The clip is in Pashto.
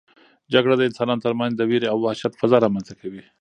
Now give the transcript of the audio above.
جګړه د انسانانو ترمنځ د وېرې او وحشت فضا رامنځته کوي.